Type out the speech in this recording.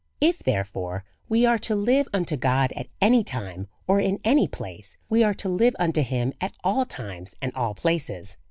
If, therefore, we are to live unto God at any time or in any place, we are to live unto him at all times and all places.